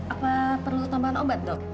apa perlu tambahan obat dok